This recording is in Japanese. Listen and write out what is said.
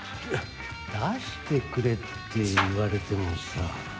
出してくれって言われてもさ。